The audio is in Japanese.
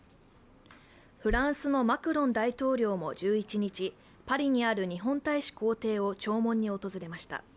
フランスのマクロン大統領も１１日パリにある日本大使公邸を弔問に訪れました。